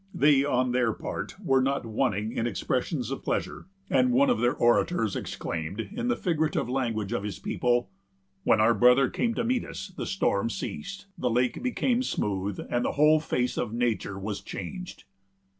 They, on their part, were not wanting in expressions of pleasure; and one of their orators exclaimed, in the figurative language of his people, "When our brother came to meet us, the storms ceased, the lake became smooth, and the whole face of nature was changed."